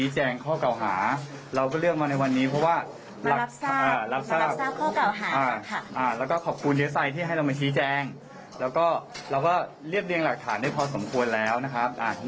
จากฐานได้พอสมควรแล้วนะครับ